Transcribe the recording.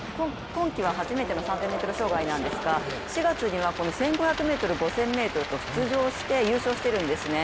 今季は初めての３０００ｍ障害なんですが４月には１５００ｍ、５０００ｍと出場して優勝しているんですね。